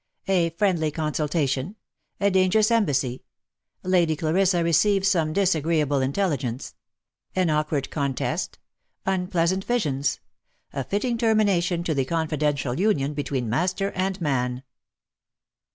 A FRIENDLY CONSULTATION A DANGEROUS EMBASSY LADY CLARISSA RECEIVES SOME DISAGREEABLE INTELLIGENCE AN AWKWARD CON TEST UNPLEASANT VISIONS A FITTING TERMINATION TO THE CONFIDENTIAL UNION BETWEEN MASTER AND MAN.